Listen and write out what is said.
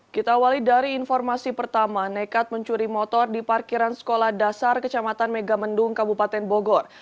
kita awali dari informasi pertama nekat mencuri motor di parkiran sekolah dasar kecamatan megamendung kabupaten bogor